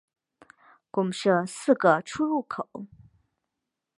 共设四个出入口。